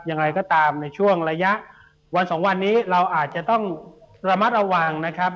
อย่างไรก็ตามในช่วงระยะวันสองวันนี้เราอาจจะต้องระมัดระวังนะครับ